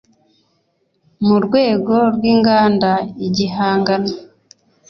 mu rwego rw inganda igihangano